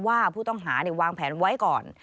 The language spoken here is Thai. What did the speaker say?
ว่าผู้ต้องหาวางแผนไว้ก่อน